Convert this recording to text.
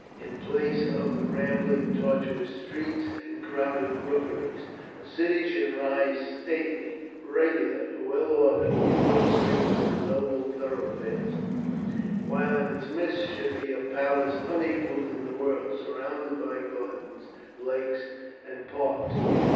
In place of the rambling tortuous streets and crowded rookeries, a city should rise stately, regular, and well ordered, with broad streets and noble thoroughfares, while in its midst should be a palace unequalled in the world, surrounded by gardens, lakes, and parks.